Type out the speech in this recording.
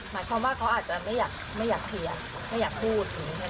หมายความว่าเขาอาจจะไม่อยากเคลียร์ไม่อยากพูด